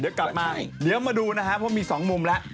เดี๋ยวกลับมาเดี๋ยวมาดูนะครับเพราะมี๒มุมแล้ว